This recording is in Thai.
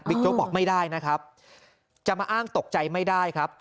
โจ๊กบอกไม่ได้นะครับจะมาอ้างตกใจไม่ได้ครับ